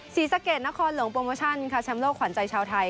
ศรีสะเกดนครหลวงโปรโมชั่นค่ะแชมป์โลกขวัญใจชาวไทย